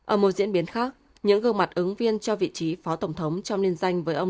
ở một diễn biến khác những gương mặt ứng viên cho vị trí phó tổng thống trong liên danh với ông